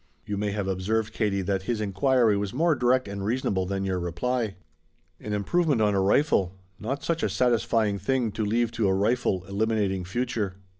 You may have observed, Katie, that his inquiry was more direct and reasonable than your reply. An improvement on a rifle. Not such a satisfying thing to leave to a rifle eliminating future."